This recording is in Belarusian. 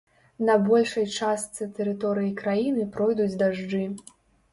На большай частцы тэрыторыі краіны пройдуць дажджы.